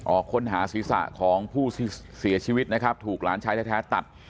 ค้นหาศีรษะของผู้เสียชีวิตนะครับถูกหลานชายแท้ตัด